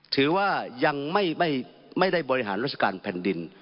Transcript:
ถือว่ายังไม่ได้บริหารราชการแผ่นดิน